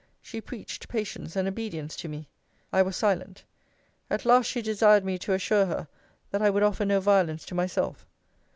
She preached patience and obedience to me. I was silent. At last she desired me to assure her, that I would offer no violence to myself.